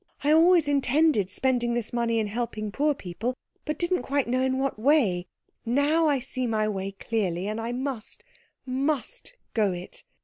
"I always intended spending this money in helping poor people, but didn't quite know in what way now I see my way clearly, and I must, must go it.